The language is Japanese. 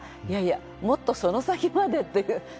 いやいやもっとその先までっていう。